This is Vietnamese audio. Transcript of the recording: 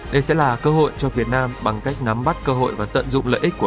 đây sẽ là cơ hội cho việt nam bằng cách nắm bắt cơ hội và tận dụng lợi ích của